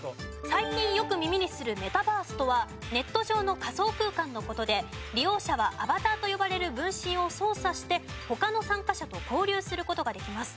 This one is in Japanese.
最近よく耳にするメタバースとはネット上の仮想空間の事で利用者はアバターと呼ばれる分身を操作して他の参加者と交流する事ができます。